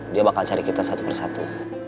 dia bakal cari kita satu persatu